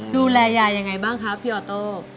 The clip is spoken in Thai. ดูแลยายยังไงบ้างคะพี่ออโต้